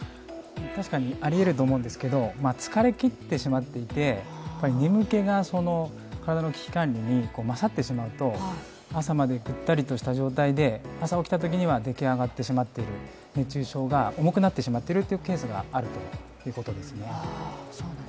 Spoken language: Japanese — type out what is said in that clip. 確かにありえると思うんですけど、疲れきってしまっていて眠気が体の危機管理に勝ってしまうと、朝までぐったりした状態で朝起きたときには出来上がってしまっている熱中症が重くなってしまっているケースがあるということですね。